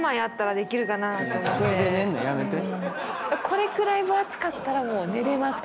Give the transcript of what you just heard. これくらい分厚かったらもう寝れます